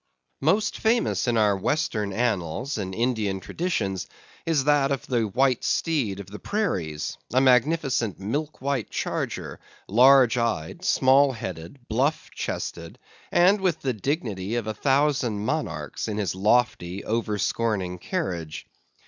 Most famous in our Western annals and Indian traditions is that of the White Steed of the Prairies; a magnificent milk white charger, large eyed, small headed, bluff chested, and with the dignity of a thousand monarchs in his lofty, overscorning carriage.